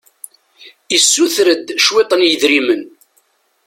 Issuter-d cwiṭ n yidrimen.